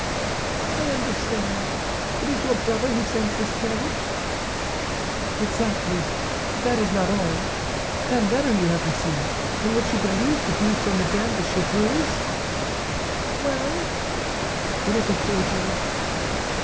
"I understand. It is your brother who sends this carriage." "Exactly; but that is not all. That letter you have received, and which you believe to be from Madame de Chevreuse—" "Well?" "It is a forgery."